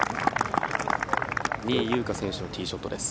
仁井優花選手のティーショットです。